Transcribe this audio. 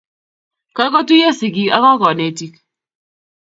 Kagotuiyo sigik ako konetik